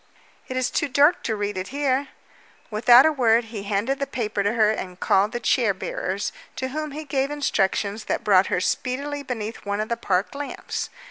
"It is too dark to read it here." Without a word he handed the paper to her and called the chair bearers, to whom he gave instructions that brought her speedily beneath one of the park lamps.